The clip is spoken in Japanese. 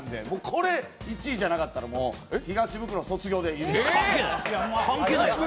これ、１位じゃなかったら東ブクロ卒業でいいです。